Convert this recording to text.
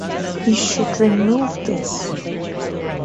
You should remove this.